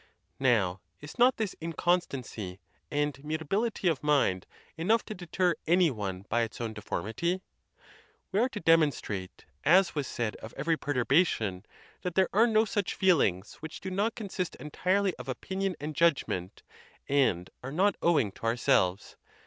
Now, is not this inconstancy and mutability of mind enough to deter any one by its own deformity? We are to demonstrate, as was said of every perturbation, that there are no such feelings which do not consist entire ly of opinion and judgment, and are not owing to our selves.